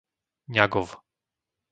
Ňagov